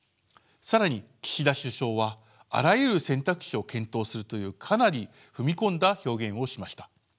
更に岸田首相はあらゆる選択肢を検討するというかなり踏み込んだ表現をしました。